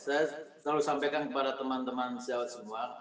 saya selalu sampaikan kepada teman teman sejawat semua